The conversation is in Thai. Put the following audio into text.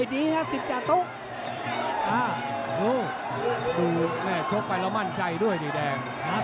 ดูแม่ชกไปแล้วมั่นใจด้วยนี่แดง